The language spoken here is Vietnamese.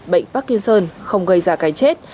bệnh parkinson không gây ra cái chết